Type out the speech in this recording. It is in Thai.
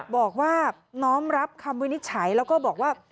บอกว่าน้อมรับคำวินิจฉัยแล้วก็บอกว่า